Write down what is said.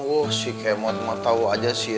wah si kemot mataw aja sih